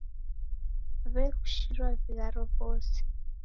W'egushirwa vigharo w'ose.